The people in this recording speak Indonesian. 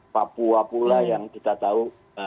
papua pula yang kita tahu